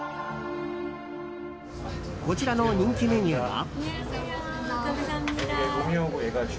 こちらの人気メニューは？